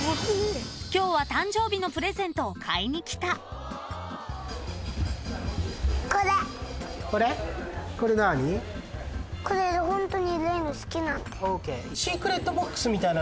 ［今日は誕生日のプレゼントを買いに来た］これホントに。